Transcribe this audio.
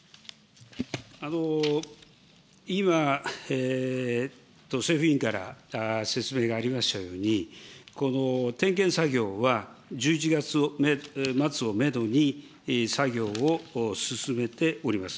今、政府委員から説明がありましたように、この点検作業は、１１月末をメドに作業を進めております。